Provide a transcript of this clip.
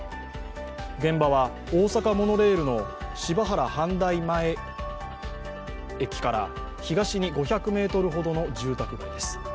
現場は大阪モノレールの柴原阪大前駅から東に５００ｍほどの住宅街です。